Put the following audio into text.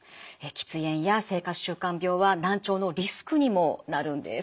喫煙や生活習慣病は難聴のリスクにもなるんです。